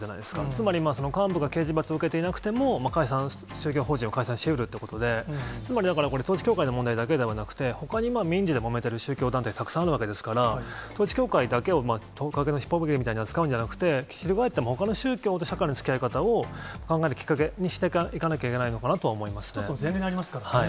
つまり、その幹部が刑事罰を受けていなくても、解散、宗教法人を解散しうるということで、つまりこれ統一教会の問題だけではなくて、ほかに今、民事でもめている宗教団体、たくさんあるわけですから、統一教会だけをトカゲの尻尾切りみたいに扱うんじゃなくて、翻ってもほかの宗教のつきあい方を考えるきっかけにしていかなき前例になりますからね。